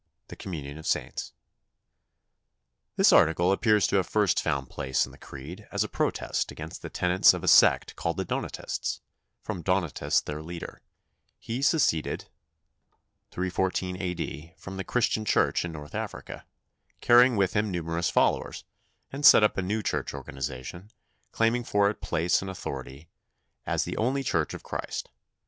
THE COMMUNION OF SAINTS This article appears to have first found place in the Creed as a protest against the tenets of a sect called the Donatists, from Donatus their leader. He seceded (314 A.D.) from the Christian Church in North Africa, carrying with him numerous followers, and set up a new church organisation, claiming for it place and authority as the only Church of Christ.